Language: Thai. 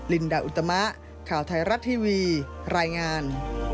ลินดาอุตมะข่าวไทยรัฐทีวีรายงาน